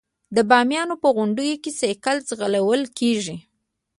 د بامیانو په غونډیو کې سایکل ځغلول کیږي.